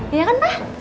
iya kan mah